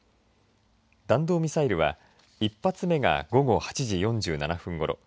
弾道ミサイルは１発目が午後８時４７分ごろ